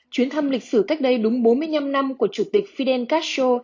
chuyến thăm lịch sử cách đây đúng bốn mươi năm năm của chủ tịch fidel castro